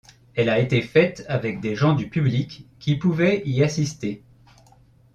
Elle a été faite avec des gens du public qui pouvait y assister.